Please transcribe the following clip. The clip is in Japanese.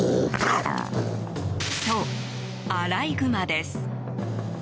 そう、アライグマです。